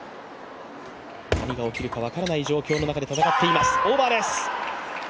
何が起きるか分からない状況の中で戦っています。